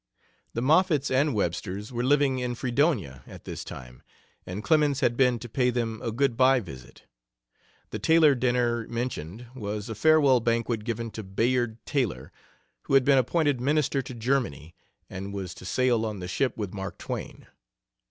The Moffetts and Websters were living in Fredonia at this time, and Clemens had been to pay them a good by visit. The Taylor dinner mentioned was a farewell banquet given to Bayard Taylor, who had been appointed Minister to Germany, and was to sail on the ship with Mark Twain.